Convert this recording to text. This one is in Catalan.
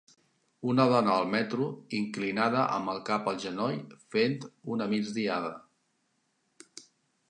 Una dona al metro, inclinada amb el cap al genoll fent una migdiada.